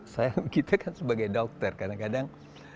saya kita kan sebagai dokter kadang kadang